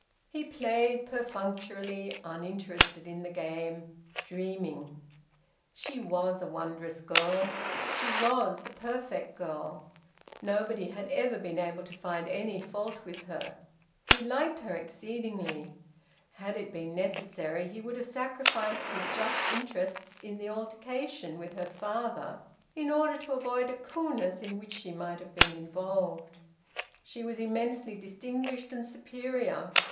He played perfunctorily, uninterested in the game, dreaming. She was a wondrous girl! She was the perfect girl! Nobody had ever been able to find any fault with her. He liked her exceedingly. Had it been necessary, he would have sacrificed his just interests in the altercation with her father in order to avoid a coolness in which she might have been involved. She was immensely distinguished and superior.